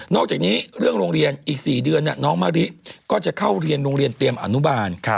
อกจากนี้เรื่องโรงเรียนอีก๔เดือนน้องมะริก็จะเข้าเรียนโรงเรียนเตรียมอนุบาล